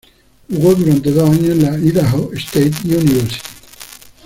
Jugó durante dos años en la Idaho State University.